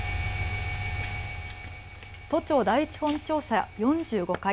都庁第一本庁舎４５階。